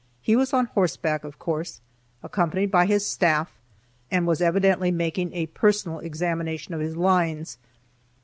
He was on horseback, of course, accompanied by his staff, and was evidently making a personal examination of his lines.